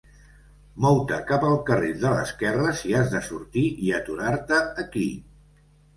Mou-te cap al carril de l'esquerra si has de sortir i aturar-te aquí.